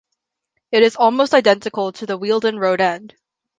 It is almost identical to the Wheldon Road End.